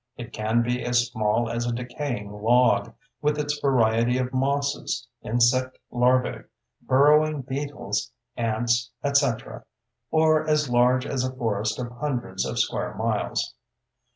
It can be as small as a decaying log, with its variety of mosses, insect larvae, burrowing beetles, ants, etc.; or as large as a forest of hundreds of square miles.